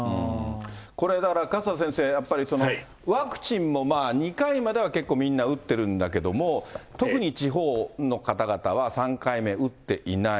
これだから勝田先生、やっぱり、ワクチンも２回までは結構みんな打ってるんだけども、特に地方の方々は３回目打っていない。